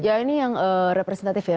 ya ini yang representatif ya